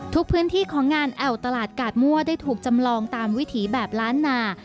ทุกพื้นที่ของงานแอวตลาดกาดมั่วได้ถูกจำลองตามวิถีแบบล้านนา